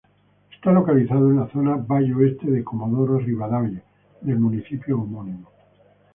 Está localizado en la zona Valle Oeste de Comodoro Rivadavia del municipio homónimo.